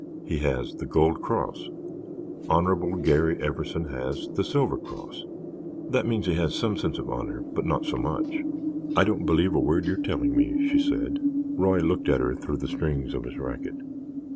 He has the gold cross. Honorable Garry Everson has the silver cross. That means he has some sense of honor, but not so much." "I don't believe a word you're telling me," she said. Roy looked at her through the strings of his racket.